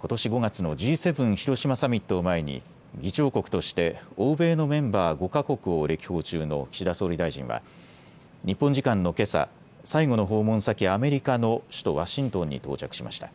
ことし５月のＧ７広島サミットを前に議長国として欧米のメンバー５か国を歴訪中の岸田総理大臣は日本時間のけさ、最後の訪問先、アメリカの首都ワシントンに到着しました。